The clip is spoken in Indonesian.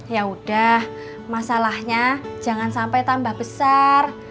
yaudah masalahnya jangan sampai tambah besar